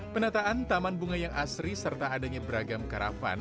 penataan taman bunga yang asri serta adanya beragam karafan